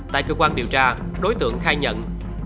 tại cơ quan điều tra đối tượng khai nhận